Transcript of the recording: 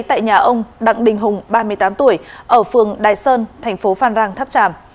tại nhà ông đặng đình hùng ba mươi tám tuổi ở phường đài sơn thành phố phan rang tháp tràm